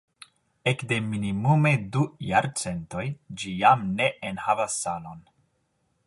Ekde minimume du jarcentoj ĝi jam ne enhavas salon.